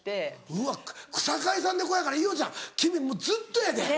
うわ草刈さんでこれやから伊代ちゃん君もうずっとやで。